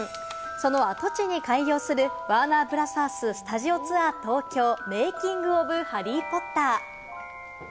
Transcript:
その跡地に開業する「ワーナー・ブラザーススタジオツアー東京ーメイキング・オブ・ハリー・ポッター」。